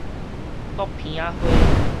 啄鼻仔花